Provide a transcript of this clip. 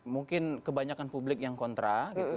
mungkin kebanyakan publik yang kontra gitu